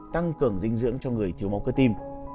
tăng cường dinh dưỡng cho người thiếu máu cơ tim